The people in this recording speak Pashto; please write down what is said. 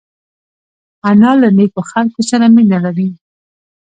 انا له نیکو خلکو سره مینه لري